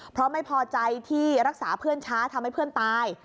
เพราะไม่พอใจที่รักษาเพื่อนช้าทำให้เพื่อนตาย